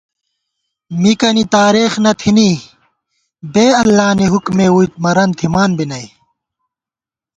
مِکَنی تارېخ نہ تھنی بے اللہ نی حُکُمےووئی مرَن تھِمان بی نئ